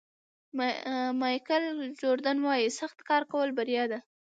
مایکل جوردن وایي سخت کار کول بریا ده.